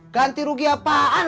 ganti rugi apaan